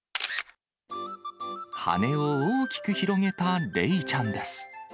羽を大きく広げたレイちゃんです。